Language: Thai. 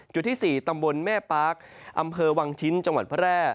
จุดที่สี่ตำบลแม่ปากอำเภอวางชิ้นจังหวัดพระแร่